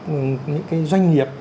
những cái doanh nghiệp